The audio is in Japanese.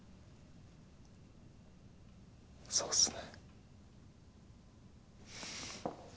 そうっすね。